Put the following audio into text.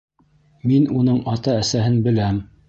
Мин уның ата-әсәһен беләм!